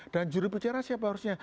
dan juru bicara siapa harusnya